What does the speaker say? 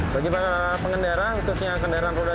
bagi para pengendara khususnya kendaraan roda dua